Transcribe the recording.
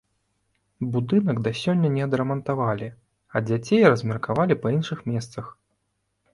Будынак да сёння не адрамантавалі, а дзяцей размеркавалі па іншых месцах.